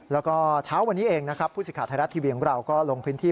แล้วก็เช้าวันนี้เองนะครับผู้สิทธิ์ไทยรัฐทีวีของเราก็ลงพื้นที่